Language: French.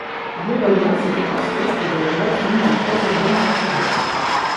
Globalement, cet opus reste dans la droite ligne des trois albums précédents.